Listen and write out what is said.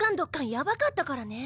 ヤバかったからね。